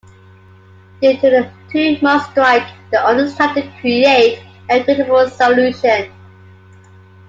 Due to the two-month strike, the owners tried to create an equitable solution.